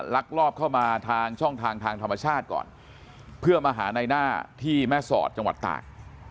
ลักลอบเข้ามาทางช่องทางทางธรรมชาติก่อนเพื่อมาหาในหน้าที่แม่สอดจังหวัดตาก